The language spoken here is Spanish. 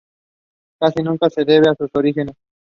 Casi nada se sabe de sus orígenes.